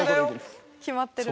決まってる。